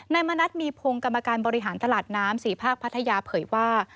มณัฐมีพงศ์กรรมการบริหารตลาดน้ำ๔ภาคพัทยาเผยว่า